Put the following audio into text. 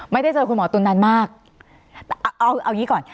ไม่ได้เจอคุณหมอตุ๋นนานมากแต่เอาเอางี้ก่อน